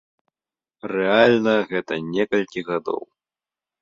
Рэальна гэта некалькі гадоў.